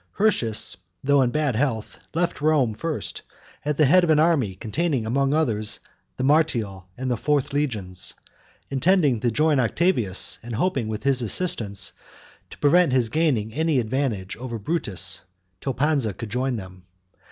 Hirtius, though in bad health, left Rome first, at the head of an army containing, among others, the Martial and the fourth legions, intending to join Octavius and hoping with his assistance to prevent his gaining any advantage over Brutus till Pansa could join them.